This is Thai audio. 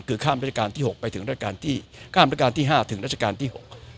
คือข้ามราชการที่๖ไปถึงราชการที่๕ถึงราชการที่๖